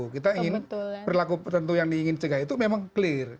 kita ingin perilaku tertentu yang ingin dicegah itu memang clear